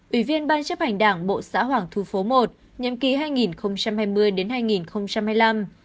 ủy viên ban chấp hành đảng bộ xã hoàng thu phố i nhậm ký hai nghìn hai mươi hai nghìn hai mươi năm